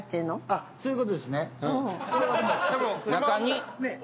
あそういうことですね。